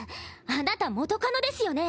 あなた元カノですよね？